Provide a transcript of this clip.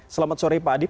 selamat sore pak adib